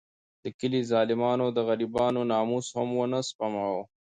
د کلي ظالمانو د غریبانو ناموس هم ونه سپماوه.